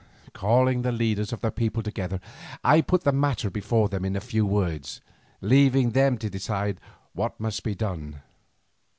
Calling the leaders of the people together, I put the matter before them in few words, leaving them to decide what must be done.